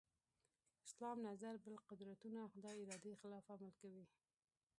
اسلام نظر بل قدرتونه خدای ارادې خلاف عمل کوي.